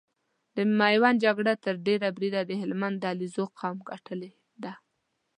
د ميوند جګړه تر ډېره بريده د هلمند د عليزو قوم ګټلې ده۔